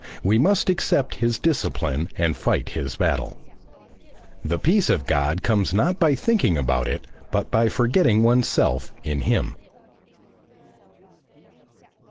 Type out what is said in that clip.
We must accept his discipline and fight his battle. The peace of God comes not by thinking about it but by forgetting oneself in him.